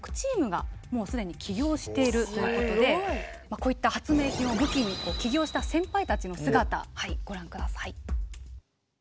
こういった発明品を武器に起業した先輩たちの姿はいご覧下さい。